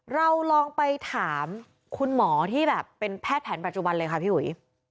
เราลองไปถามคุณหมอที่แบบเป็นแพทย์แผนปัจจุบันเลยค่ะพี่อุ๋ย